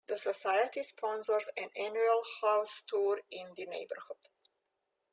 The Society sponsors an annual house tour in the neighborhood.